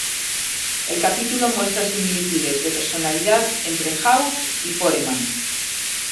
El capítulo muestra similitudes de personalidad entre House y Foreman.